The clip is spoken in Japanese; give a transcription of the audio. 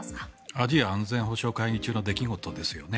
アジア安全保障会議中の出来事ですよね。